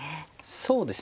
そうですね。